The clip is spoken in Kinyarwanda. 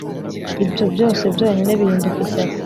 ibyo, byose byonyine, bihinduka ishyaka.